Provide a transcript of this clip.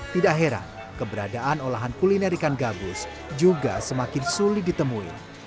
tidak heran keberadaan olahan kuliner ikan gabus juga semakin sulit ditemui